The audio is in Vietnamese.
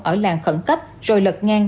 ở làng khẩn cấp rồi lật ngang